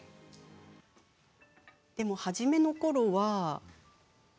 でも初めのころは。